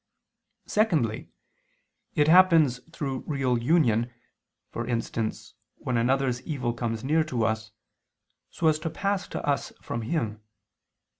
Secondly, it happens through real union, for instance when another's evil comes near to us, so as to pass to us from him.